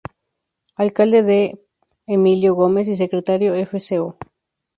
Alcalde D. Emilio Gómez y Secretario Fco.